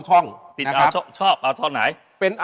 ติดเอาช่องเอาช่องไหน